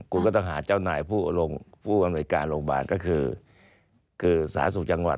คุณก็ต้องหาเจ้านายผู้อำนวยการโรงพยาบาลก็คือสาธารณสุขจังหวัด